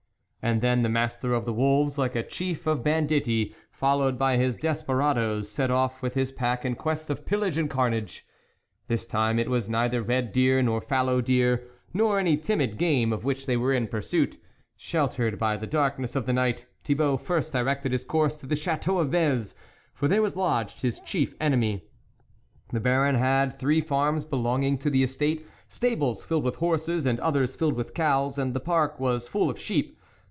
And then the master of the wolves, like a chief of banditti followed by his des peradoes, set off with his pack in quest of pillage and carnage. This time it was neither red deer, nor fallow deer, nor any timid game of which they were in pursuit. Sheltered by the darkness of the night Thibault first di rected his course to the Chateau of Vez, for there was lodged his chief enemy. The Baron had three farms belonging to the estate, stables filled with horses, and others filled with cows, and the park was full of sheep.